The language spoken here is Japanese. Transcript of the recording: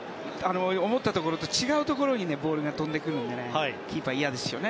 思ったところと違うところにボールが飛んでくるのでキーパーは嫌ですよね。